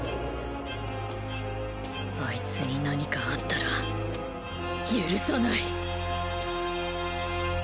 あいつに何かあったら許さない！